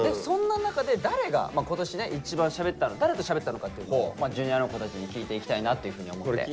そんな中で誰が今年ね一番しゃべった誰としゃべったのかっていうのをＪｒ．の子たちに聞いていきたいなっていうふうに思って。